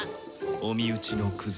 お身内のクズ